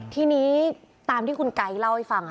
ทีนี้ตามที่คุณไก๊เล่าให้ฟัง